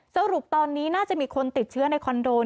สรุปตอนนี้น่าจะมีคนติดเชื้อในคอนโด